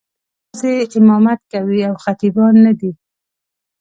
یوازې امامت کوي او خطیبان نه دي.